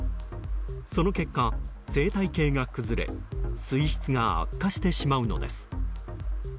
その結果、生態系が崩れ水質が悪化してしまうのです。